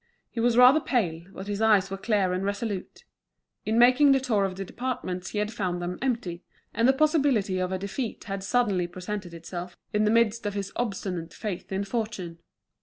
He was rather pale, but his eyes were clear and resolute. In making the tour of the departments he had found them empty, and the possibility of a defeat had suddenly presented itself in the midst of his obstinate faith in fortune.